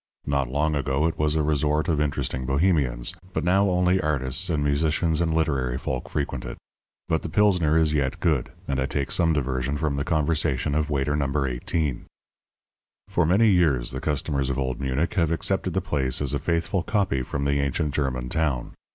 Not long ago it was a resort of interesting Bohemians, but now only artists and musicians and literary folk frequent it. But the Pilsner is yet good, and I take some diversion from the conversation of Waiter No. 18. For many years the customers of Old Munich have accepted the place as a faithful copy from the ancient German town.